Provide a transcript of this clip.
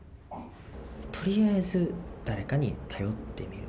とりあえず誰かに頼ってみる。